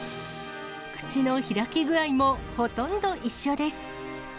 口の開き具合もほとんど一緒です。